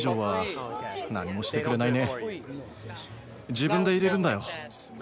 自分で入れるんだよ。